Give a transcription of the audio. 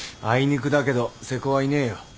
あいにくだけど瀬古はいねえよ。